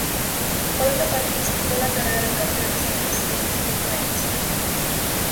Por otra parte, disputó la Carrera de Campeones en el Stade de France.